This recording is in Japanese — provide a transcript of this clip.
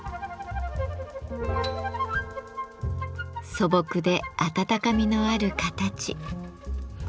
素朴で温かみのある形。